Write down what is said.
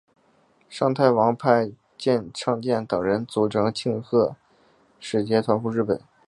尚泰王派遣尚健等人组成庆贺使节团赴日本。